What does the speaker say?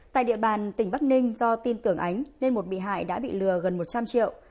tại địa bàn tỉnh bắc ninh do tin tưởng ánh nên một bị hại đã bị lừa gần một trăm linh triệu